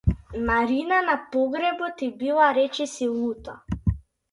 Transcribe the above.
Марина на погребот ѝ била речиси лута.